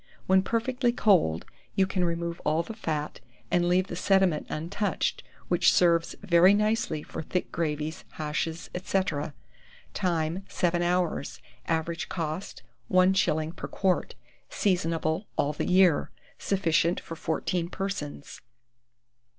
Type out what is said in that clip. When perfectly cold, you can remove all the fat, and leave the sediment untouched, which serves very nicely for thick gravies, hashes, &c. Time. 7 hours. Average cost, 1s. per quart. Seasonable all the year. Sufficient for 14 persons.